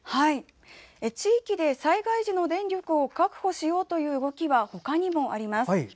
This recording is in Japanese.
地域で災害時の電力を確保しようという動きは他にもあります。